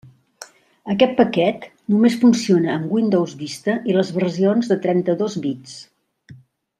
Aquest paquet només funciona amb Windows Vista i les versions de trenta-dos bits.